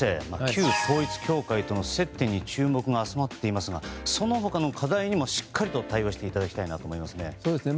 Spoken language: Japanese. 旧統一教会との接点に注目が集まっていますがその他の課題にもしっかりと対応していただきたいと思いますね。